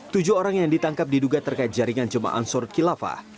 tujuh orang yang ditangkap diduga terkait jaringan jemaah ansur khilafah